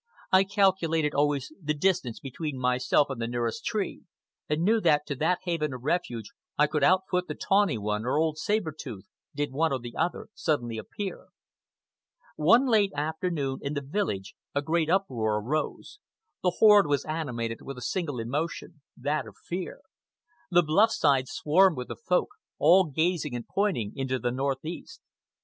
I calculated always the distance between myself and the nearest tree, and knew that to that haven of refuge I could out foot the Tawny One, or old Saber Tooth, did one or the other suddenly appear. One late afternoon, in the village, a great uproar arose. The horde was animated with a single emotion, that of fear. The bluff side swarmed with the Folk, all gazing and pointing into the northeast.